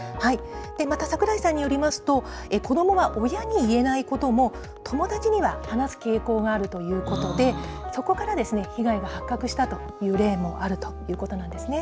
また櫻井さんによりますと、子どもが親に言えないことも、友達には話す傾向があるということで、そこから被害が発覚したという例もあるということなんですね。